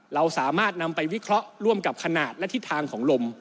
เราสามารถนำไปวิเคราะห์ร่วมกับขนาดและทิศทางของลม